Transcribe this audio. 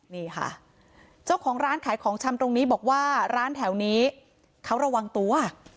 นี่ค่ะเจ้าของร้านขายของชำตรงนี้บอกว่าร้านแถวนี้เขาระวังตัว